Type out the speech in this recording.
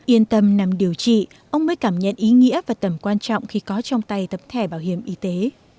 yên tâm nằm điều trị ông mới cảm nhận ý nghĩa và tầm quan trọng khi có trong tay tập thể bảo hiểm y tế